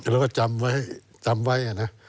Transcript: แล้วก็จำไว้จำไว้นะ